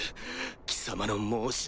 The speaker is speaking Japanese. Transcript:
貴様の申し出を。